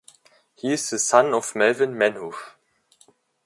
He is the son of Melvin Manhoef.